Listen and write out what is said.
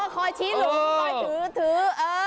คอยชี้หลุมคอยถือ